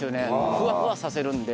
ふわふわさせるんで。